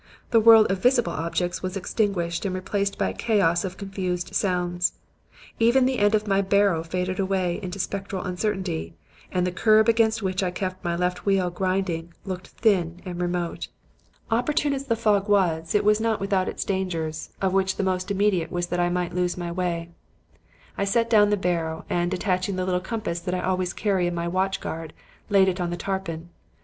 The world of visible objects was extinguished and replaced by a chaos of confused sounds. Even the end of my barrow faded away into spectral uncertainty, and the curb against which I kept my left wheel grinding looked thin and remote. "Opportune as the fog was, it was not without its dangers; of which the most immediate was that I might lose my way. I set down the barrow, and, detaching the little compass that I always carry on my watch guard, laid it on the tarpaulin.